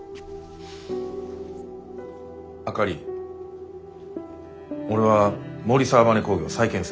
あかり俺は森澤バネ工業を再建する。